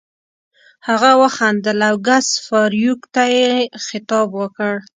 هغه وخندل او ګس فارویک ته یې خطاب وکړ